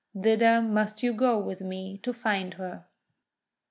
Thither must you go with me to find her."